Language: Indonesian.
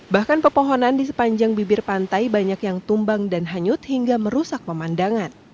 bahkan pepohonan di sepanjang bibir pantai banyak yang tumbang dan hanyut hingga merusak pemandangan